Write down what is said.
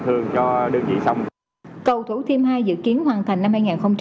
thường cho đơn vị xong cầu thủ team hai dự kiến hoàn thành năm hai nghìn một mươi tám và đối với công ty bason thì